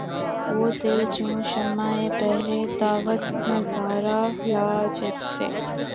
وہ دل جوں شمعِ بہرِ دعوت نظارہ لا‘ جس سے